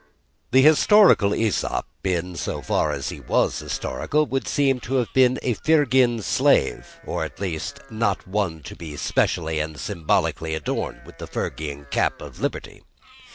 The historical Æsop, in so far as he was historical, would seem to have been a Phrygian slave, or at least one not to be specially and symbolically adorned with the Phrygian cap of liberty.